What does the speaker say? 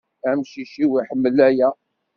Amcic-iw iḥemmel aya.